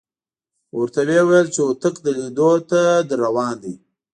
ورته وېویل چې هوتک د لیدو ته درروان دی.